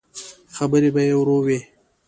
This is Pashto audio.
خبرې به يې ورو وې.